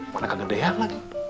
mana kegedean lagi